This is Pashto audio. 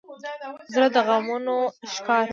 زړه د غمونو ښکار دی.